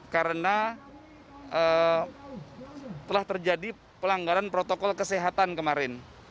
karena telah terjadi pelanggaran protokol kesehatan kemarin